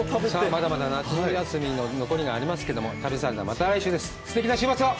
まだまだ夏休みの残りがありますけども旅サラダまた来週ですすてきな週末を